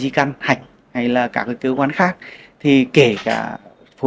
thì kể cả khối u đã di căn hạch hay là các cơ quan khác thì kể cả khối u đã di căn hạch hay là các cơ quan khác